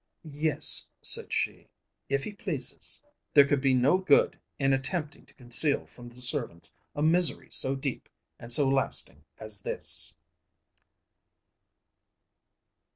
"Yes," said she, "if he pleases." There could be no good in attempting to conceal from the servants a misery so deep and so lasting as this.